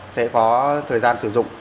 sẽ có thời gian sử dụng